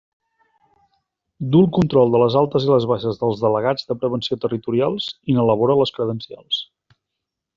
Du el control de les altes i les baixes dels delegats de prevenció territorials i n'elabora les credencials.